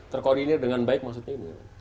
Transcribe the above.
terkoordinir dengan baik maksudnya ini